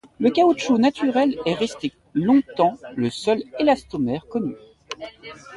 Le caoutchouc naturel est resté longtemps le seul élastomère connu.